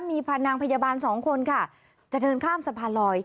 มีพานางพยาบาลสองคนค่ะจะเดินข้ามสะพานลอย